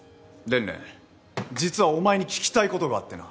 れんれん実はお前に聞きたいことがあってな。